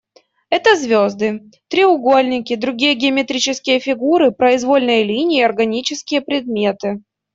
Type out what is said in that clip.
Это звезды, треугольники, другие геометрические фигуры, произвольные линии, органические предметы.